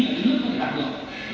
là cái nước không thể đạt được